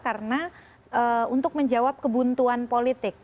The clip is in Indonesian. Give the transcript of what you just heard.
karena untuk menjawab kebuntuan politik